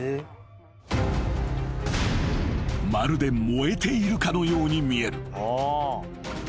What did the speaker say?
［まるで燃えているかのように見える］